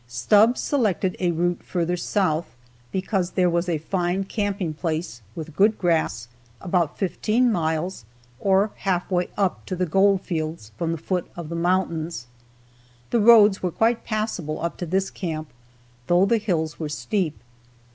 Stubbs selected a route further south, because there was a fine camping place, with good grass, about fifteen miles, or half way up to the gold fields, from the foot of the mountains. The roads were quite passable up to this camp, though the hills were steep.